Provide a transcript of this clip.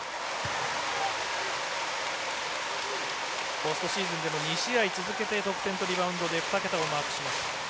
ポストシーズンでも２試合続けて得点とリバウンドで２桁をマークしました。